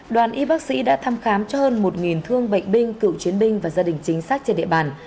đoàn y bác sĩ đã thăm khám cho hơn một thương bệnh binh cựu chiến binh và gia đình chính sách trên địa bàn